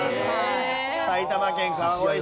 埼玉県川越市。